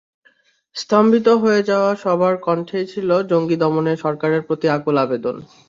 স্তম্ভিত হয়ে যাওয়া সবার কণ্ঠেই ছিল জঙ্গি দমনে সরকারের প্রতি আকুল আবেদন।